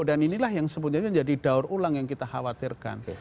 dan inilah yang sebetulnya menjadi daur ulang yang kita khawatirkan